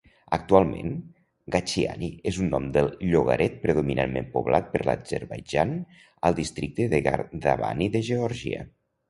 Actualment, Gachiani és un nom del llogaret predominantment poblat per l'Azerbaidjan al districte de Gardabani de Geòrgia.